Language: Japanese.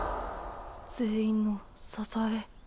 全員の支え。